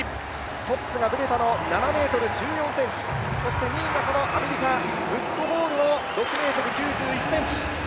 トップがブレタの７ｍ１４ｃｍ、そして２位のアメリカ、ウッドホールの６ｍ９１ｃｍ。